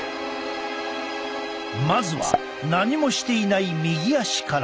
まずは何もしていない右足から。